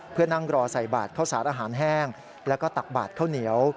เพื่อนั่งรอใส่บาทข้าวสารอาหารแห้งแล้วก็ตักบาดข้าวเหนียว